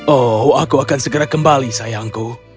oh aku akan segera kembali sayangku